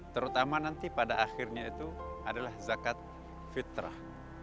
terutama nanti pada akhirnya itu adalah zakat fitrah